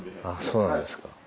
ああそうなんですか。